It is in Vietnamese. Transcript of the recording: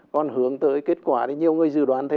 còn hướng tới kết quả thì nhiều người dự đoán